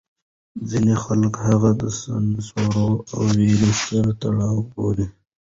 ځینې خلک هغه د سانسور او وېرې سره تړلی بولي.